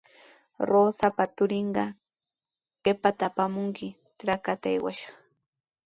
Rosapa turinqa qiwata apamuqmi trakrapa aywashqa.